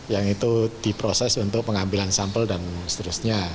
yang itu diproses untuk pengambilan sampel dan seterusnya